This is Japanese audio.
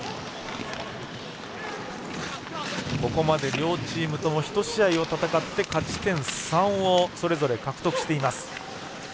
ここまで両チームとも１試合を戦って勝ち点３をそれぞれ獲得しています。